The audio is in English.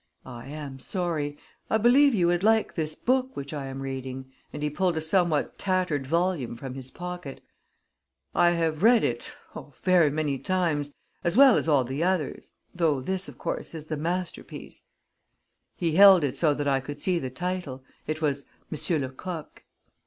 "I am sorry I believe you would like this book which I am reading," and he pulled a somewhat tattered volume from his pocket. "I have read it, oh, ver' many times, as well as all the others though this, of course, is the masterpiece." He held it so that I could see the title. It was "Monsieur Lecoq."